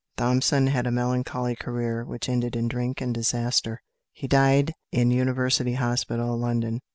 Thomson had a melancholy career which ended in drink and disaster. He died in University Hospital, London.